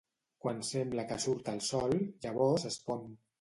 Quan sembla que surt el sol, llavors es pon.